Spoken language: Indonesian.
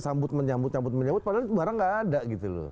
sambut menyambut sambut padahal barang nggak ada gitu loh